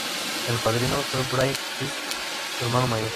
El padrino fue Bryan Price, su hermano mayor.